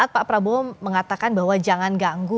pak prabowo mengatakan bahwa jangan ganggu